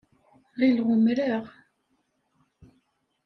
Ɣileɣ umereɣ.